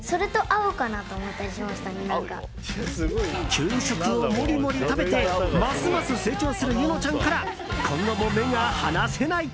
給食もモリモリ食べてますます成長する柚乃ちゃんから今後も目が離せない。